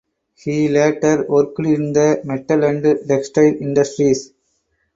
He later worked in the metal and textile industries.